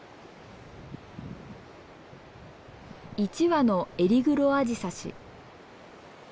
１羽のエリグロアジサシ。